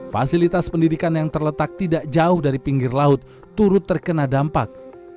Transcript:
fasilitas pendidikan yang terletak tidak jauh dari pinggir laut turut terkena dampak